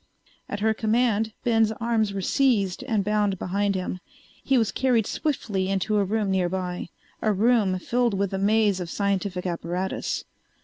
At her command Ben's arms were seized and bound behind him. He was carried swiftly into a room nearby, a room filled with a maze of scientific apparatus.